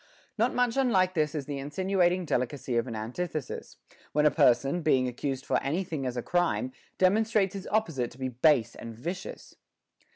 8. Not much unlike this is the insinuating delicacy of an antithesis, when a person, being accused for any thing as a crime, demonstrates its opposite to be base and vicious.